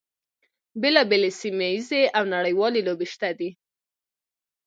بیلا بېلې سیمه ییزې او نړیوالې لوبې شته دي.